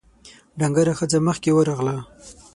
ډنګره ښځه مخکې ورغله: